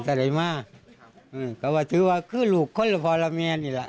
อะไรมากอืมก็ว่าถือว่าคือลูกคนละพ่อละเมียนี่แหละ